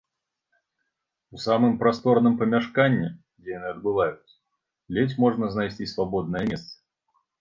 У самым прасторным памяшканні, дзе яны адбываюцца, ледзь можна знайсці свабоднае месца.